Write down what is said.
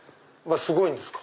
すごいんですか？